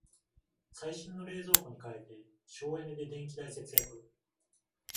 最新の冷蔵庫に替えて省エネで電気代節約